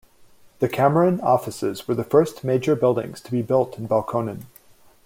The Cameron Offices were the first major buildings to be built in Belconnen.